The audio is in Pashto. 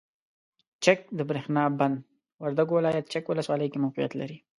چک دبریښنا بند وردګو ولایت چک ولسوالۍ کې موقعیت لري.